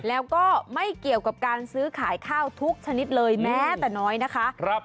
แล้วก็ไม่เกี่ยวกับการซื้อขายข้าวทุกชนิดเลยแม้แต่น้อยนะคะ